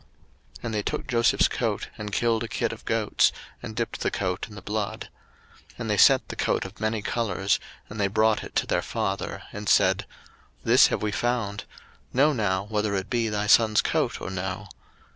01:037:031 And they took Joseph's coat, and killed a kid of the goats, and dipped the coat in the blood; 01:037:032 And they sent the coat of many colours, and they brought it to their father; and said, This have we found: know now whether it be thy son's coat or no.